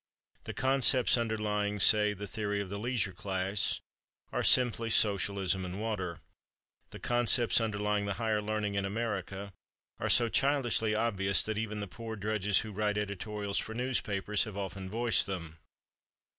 The concepts underlying, say, "The Theory of the Leisure Class" are simply Socialism and water; the concepts underlying "The Higher Learning in America" are so childishly obvious that even the poor drudges who write editorials for newspapers have often voiced them.